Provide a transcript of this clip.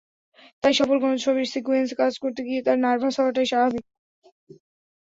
তাই সফল কোনো ছবির সিক্যুয়েলে কাজ করতে গিয়ে তাঁর নার্ভাস হওয়াটাই স্বাভাবিক।